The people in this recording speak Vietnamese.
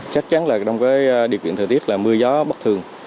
chắc chắn là trong cái điều kiện thời tiết là mưa gió bất thường